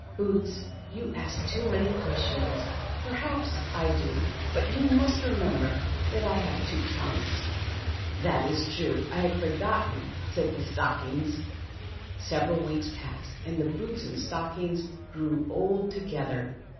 " Boots, you ask too many questions." " Perhaps I do, but you must remember that I have two tongues." "That is true, I had forgotten," said the stock ings. Several wrecks passed, and the boots and stock Red Boots. 205 ings grew old together.